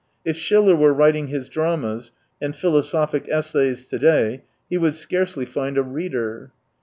If Schiller were writing his dramas and philo sophic essays to day, he would scarcely find a reader.